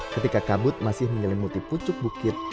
ketika kabut masih menyelimuti pucuk bukit